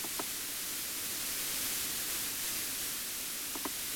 Yelena Pavlova